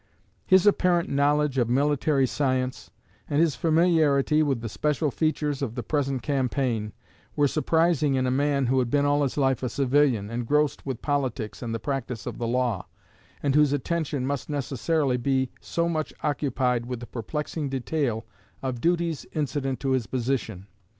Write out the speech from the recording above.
His apparent knowledge of military science, and his familiarity with the special features of the present campaign, were surprising in a man who had been all his life a civilian, engrossed with politics and the practise of the law, and whose attention must necessarily be so much occupied with the perplexing detail of duties incident to his position.